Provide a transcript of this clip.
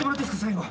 最後。